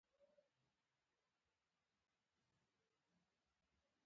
د مایکروسکوپ ساختماني برخې څو ډوله دي.